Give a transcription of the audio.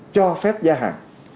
cho phép gia hàng